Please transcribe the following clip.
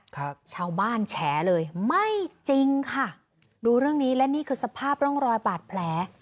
ครับชาวบ้านแฉเลยไม่จริงค่ะดูเรื่องนี้และนี่คือสภาพร่องรอยบาดแผล